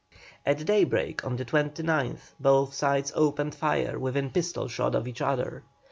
At daybreak on the 29th both sides opened fire within pistol shot of each other.